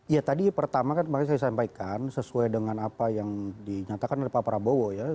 ya tadi pertama kan makanya saya sampaikan sesuai dengan apa yang dinyatakan oleh pak prabowo ya